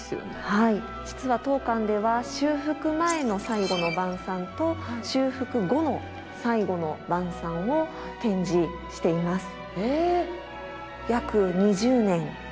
はい実は当館では修復前の「最後の晩餐」と修復後の「最後の晩餐」を展示しています。